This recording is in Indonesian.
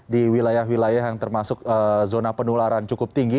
di wilayah wilayah yang termasuk zona penularan cukup tinggi